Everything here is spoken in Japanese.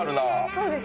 「そうですね」